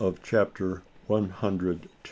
CHAPTER ONE HUNDRED THREE.